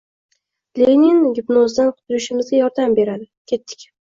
— Lenin gipnozidan qutulishimizga yordam beradi. Ketdik.